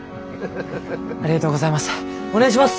ありがとうございます。